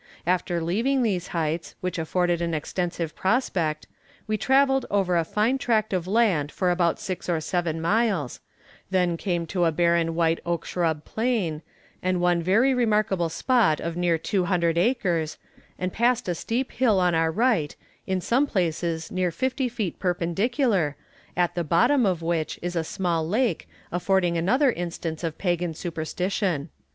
After leaving these heights, which afforded an extensive prospect, we travelled over a fine tract of land for about six or seven miles; then came to a barren white oak shrub plain, and one very remarkable spot of near two hundred acres, and passed a steep hill on our right, in some places near fifty feet perpendicular, at the bottom of which is a small lake, affording another instance of pagan superstition.